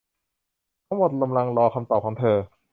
ทั้งหมดกำลังรอคำตอบของเธอ